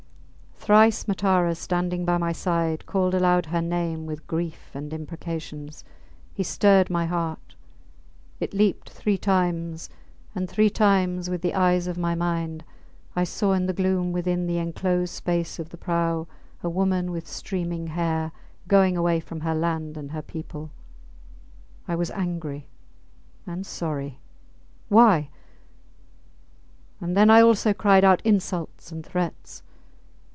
Thrice Matara, standing by my side, called aloud her name with grief and imprecations. He stirred my heart. It leaped three times; and three times with the eyes of my mind I saw in the gloom within the enclosed space of the prau a woman with streaming hair going away from her land and her people. I was angry and sorry. Why? And then I also cried out insults and threats.